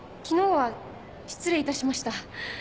昨日は失礼いたしました。